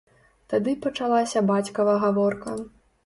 Тады пачалася бацькава гаворка.